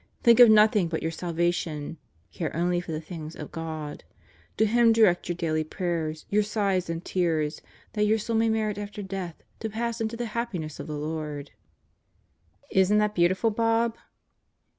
Think of nothing but your salva tion. Care only for the things of God. ... To Him direct your daily prayers, your sighs and tears, that your soul may merit after death to pass into the happiness of the Lord." "Isn't that beautiful, Bob?"